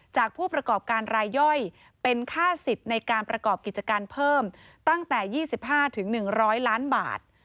ผู้ประกอบการรายย่อยเป็นค่าสิทธิ์ในการประกอบกิจการเพิ่มตั้งแต่๒๕๑๐๐ล้านบาท